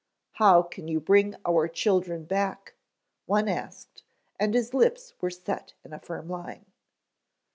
"How can you bring our children back?" one asked and his lips were set in a firm line.